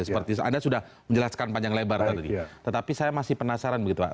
seperti anda sudah menjelaskan panjang lebar tadi tetapi saya masih penasaran begitu